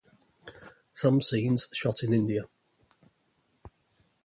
Some scenes shot in India.